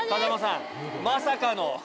まさかの！